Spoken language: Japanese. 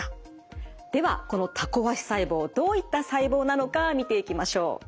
ではこのタコ足細胞どういった細胞なのか見ていきましょう。